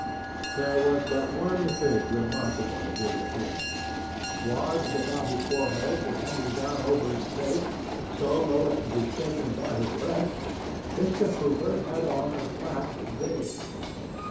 There was but one thing remarkable in his appearance. Swathed about his forehead and hanging down over his face, so low as to be shaken by his breath, Mr. Hooper had on a black veil.